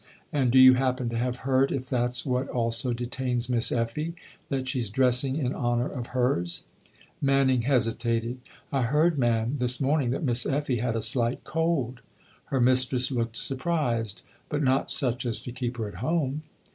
And do you happen to have heard if that's what also detains Miss EfHe that she's dressing in honour of hers ?" Manning hesitated. " I heard, ma'am, this morning that Miss Effie had a slight cold." Her mistress looked surprised. " But not such as to keep her at home